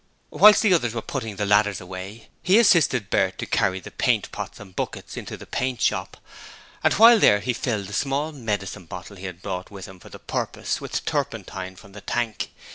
Whilst the others were putting the ladders away he assisted Bert to carry the paint pots and buckets into the paint shop, and while there he filled a small medicine bottle he had brought with him for the purpose, with turpentine from the tank.